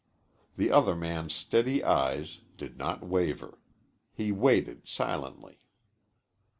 The other man's steady eyes did not waver. He waited silently.